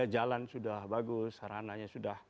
jalan sudah bagus sarananya sudah